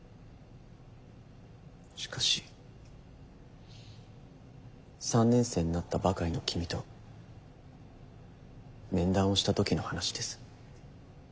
しかし３年生になったばかりの君と面談をした時の話です。